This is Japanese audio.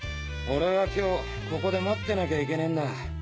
俺は今日ここで待ってなきゃいけねえんだ。